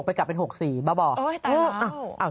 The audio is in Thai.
เย็นชนกราฟ